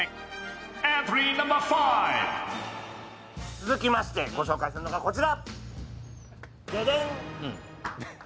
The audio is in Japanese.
続きましてご紹介するのがこちら。